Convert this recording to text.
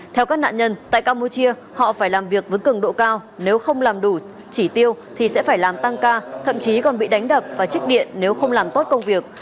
theo các nạn nhân tại campuchia họ phải làm việc với cường độ cao nếu không làm đủ chỉ tiêu thì sẽ phải làm tăng ca thậm chí còn bị đánh đập và trích điện nếu không làm tốt công việc